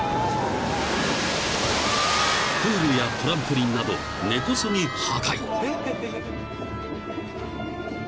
［プールやトランポリンなど根こそぎ破壊］